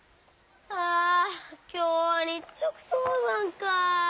ああきょうはにっちょくとうばんか。